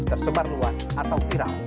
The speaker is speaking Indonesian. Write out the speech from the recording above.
tersebar luas atau viral